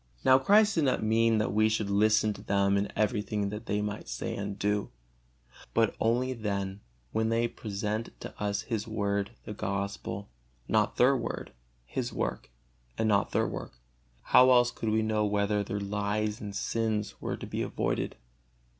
Now Christ did not mean that we should listen to them in everything they might say and do, but only then when they present to us His Word, the Gospel, not their word, His work, and not their work. How else could we know whether their lies and sins were to be avoided?